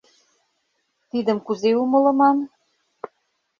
— Тидым кузе умылыман?